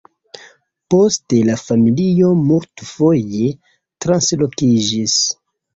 Poste la familio multfoje translokiĝis.